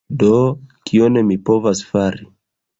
Do... kion mi povas fari?